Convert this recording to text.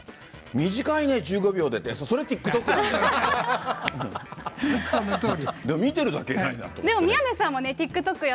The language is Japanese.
短いね、１５秒でって、それＴｉｋＴｏｋなんで。